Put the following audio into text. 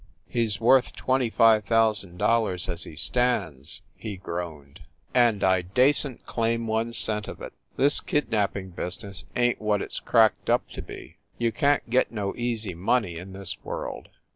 "He s worth twenty five thousand dollars as he stands," he groaned, "and I dassent claim one cent of it. This kidnapping business ain t what it s cracked up to be. You can t get no money easy, in this world.